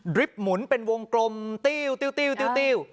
ดริฟต์หมุนเป็นวงกลมติ้วติ้วติ้วติ้วติ้ว